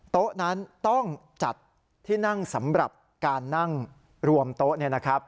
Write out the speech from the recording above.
โต๊ะนั้นต้องจัดที่นั่งสำหรับการนั่งรวมโต๊ะ